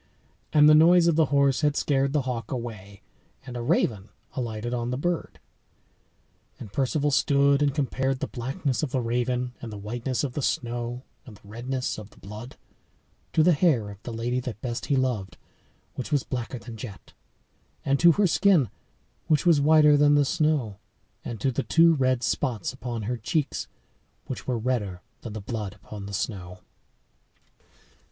And the noise of the horse had scared the hawk away, and a raven alighted on the bird. And Perceval stood and compared the blackness of the raven and the whiteness of the snow and the redness of the blood to the hair of the lady that best he loved, which was blacker than jet, and to her skin, which was whiter than the snow, and to the two red spots upon her cheeks, which were redder than the blood upon the snow.